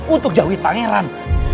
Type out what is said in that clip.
untuk jauhi pangeran